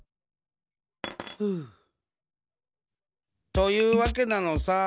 というわけなのさ。